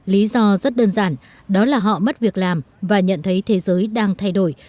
lý do rất đơn giản đó là họ mất việc làm và nhận thấy thế giới đang thay đổi